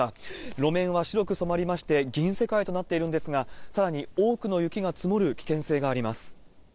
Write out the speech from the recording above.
路面は白く染まりまして、銀世界となっているんですが、さらに多くの雪が積もる危険性があります。